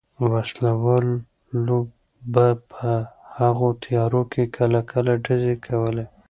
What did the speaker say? وسله والو به په هغو تیارو کې کله کله ډزې کولې.